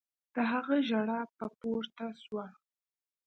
د هغه ژړا به پورته سوه.